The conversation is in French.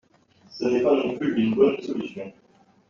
Ce n’est pas non plus une bonne solution.